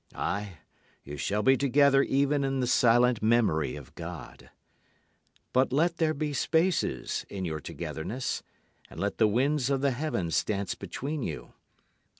Aye, you shall be together even in the silent memory of God. But let there be spaces in your togetherness, And let the winds of the heavens dance between you.